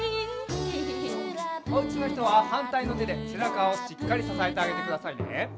おうちのひとははんたいのてでせなかをしっかりささえてあげてくださいね。